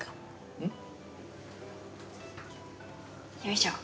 うん？よいしょ。